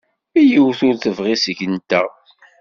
Yiwet ur t-tebɣi seg-nteɣ.